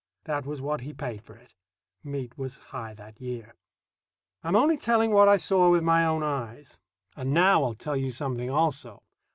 That was what he paid for it. Meat was high that year. I am only telling what I saw with my own eyes. And now I'll tell you something, also.